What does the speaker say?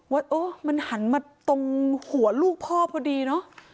ว่าเออมันหันมาตรงหัวลูกพ่อพอดีเนอะ